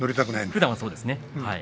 ふだんは、そうですね。